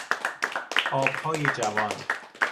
آبهای جوان